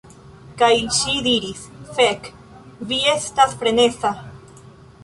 Kaj ŝi diris: "Fek, vi estas freneza."